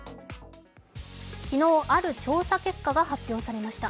昨日、ある調査結果が発表されました。